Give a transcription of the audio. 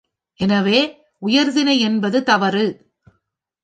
எனவே, உயர்திணையென்பது தவறு.